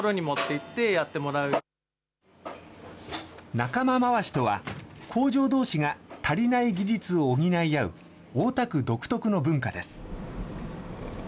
仲間まわしとは、工場どうしが足りない技術を補い合う、大田区独特の分かです。